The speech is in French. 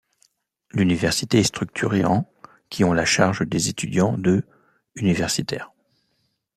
L'université est structurée en qui ont la charge des étudiants de universitaire.